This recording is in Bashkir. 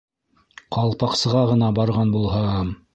— «Ҡалпаҡсыға ғына барған булһам!»